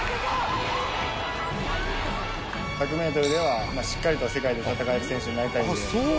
１００メートルではしっかりと世界で戦える選手になりたいんで。